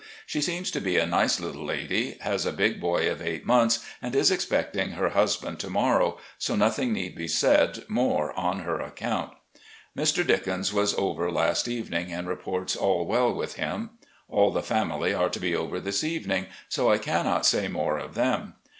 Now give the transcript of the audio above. She seems to be a nice little lady — ^has a big boy of eight months, and is expecting her husband to morrow, so nothing need be said more on her account. Mr. Didcens was over last evening, and reports all well with him. All the family are to be over this evening, so I cannot say more of them.